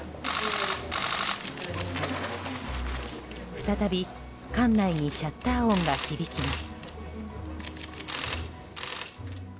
再び、館内にシャッター音が響きます。